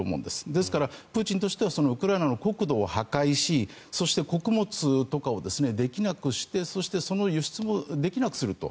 ですからプーチンとしてはウクライナの国土を破壊しそして穀物とかをできなくしてその輸出もできなくすると。